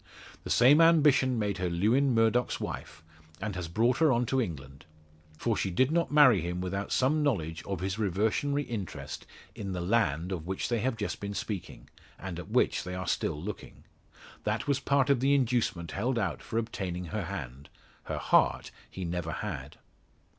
The same ambition made her Lewin Murdock's wife, and has brought her on to England. For she did not many him without some knowledge of his reversionary interest in the land of which they have just been speaking, and at which they are still looking. That was part of the inducement held out for obtaining her hand; her heart he never had.